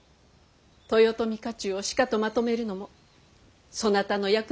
豊臣家中をしかとまとめるのもそなたの役目ぞ。